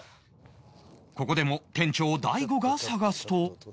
ここでも店長大悟が探すと